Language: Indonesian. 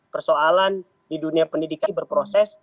persoalan di dunia pendidikan berproses